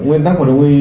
nguyên tắc của đồng ý